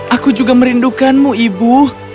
aku juga merindukanmu ibu